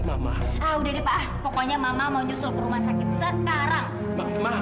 ah udah deh pak pokoknya mama mau nyusul ke rumah sakit sekarang